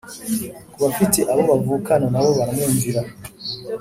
Ku bafite abo bavukana na bo baramwumvira